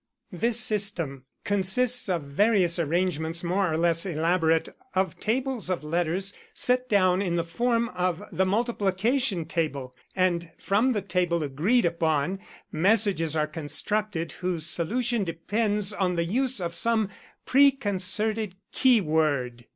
This system consists of various arrangements, more or less elaborate, of tables of letters, set down in the form of the multiplication table, and from the table agreed upon messages are constructed whose solution depends on the use of some preconcerted keyword.